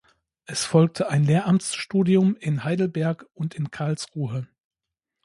Es folgte ein Lehramtsstudium in Heidelberg und in Karlsruhe.